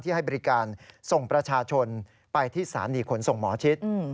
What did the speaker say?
ให้บริการส่งประชาชนไปที่สถานีขนส่งหมอชิด